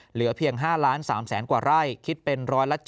เหลือเพียง๕๓๐๐๐กว่าไร่คิดเป็น๑๗๐